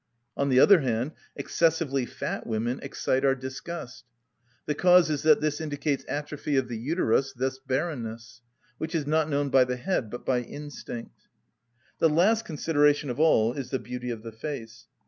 On the other hand, excessively fat women excite our disgust: the cause is that this indicates atrophy of the uterus, thus barrenness; which is not known by the head, but by instinct. The last consideration of all is the beauty of the face.